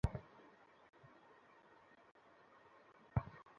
আমি কথা রাখতে পারলাম না।